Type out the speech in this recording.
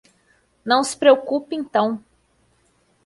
Não se preocupe então.